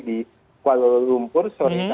di kuala lumpur